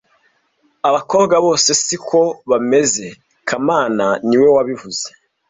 Abakobwa bose siko bameze kamana niwe wabivuze